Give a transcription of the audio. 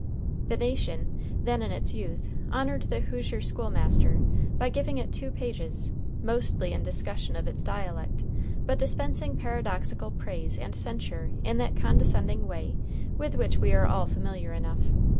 The Nation, then in its youth, honored "The Hoosier School Master" by giving it two pages, mostly in discussion of its dialect, but dispensing paradoxical praise and censure in that condescending way with which we are all familiar enough.